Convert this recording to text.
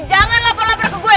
jangan lapar lapar ke gue